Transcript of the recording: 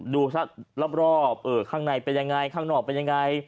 ดูซะรอบข้างในเป็นยังไงข้างนอกเป็นยังไง